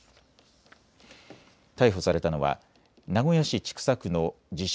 逮捕されたのは名古屋市千種区の自称